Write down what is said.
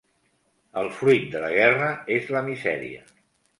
El fruit de la guerra és la misèria.